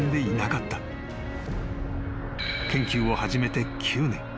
［研究を始めて９年］